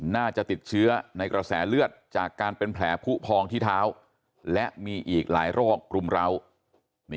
น่าจะติดเชื้อในกระแสเลือดจากการเป็นแผลผู้พองที่เท้าและมีอีกหลายโรครุมร้าว